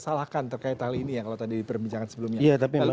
salahkan terkait hal ini ya kalau tadi diperbincangkan sebelumnya